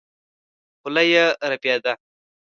خوله يې رپېده.